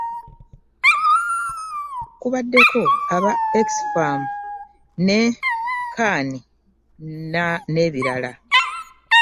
Kubaddeko aba Oxfam ne CAN n'ebirala.